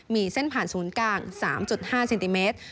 มีเส้นผ่านสูงกลาง๓๕ซินติเมตร